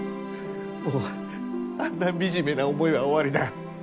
もうあんな惨めな思いは終わりだ。